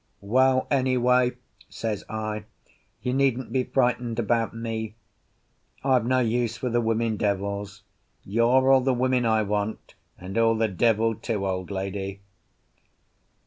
"Well, anyway," says I, "you needn't be frightened about me. I've no use for the women devils. You're all the women I want, and all the devil too, old lady."